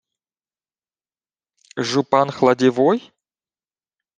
— Жупан Хладівой?